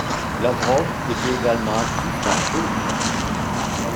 Lavrov était également actif dans la politique.